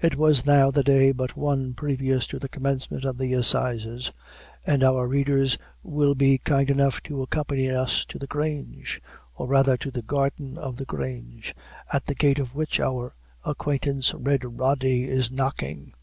It was now the day but one previous to the commencement of the assizes, and our readers will be kind enough to accompany us to the Grange, or rather to the garden of the Grange, at the gate of which our acquaintance Red Rody is knocking.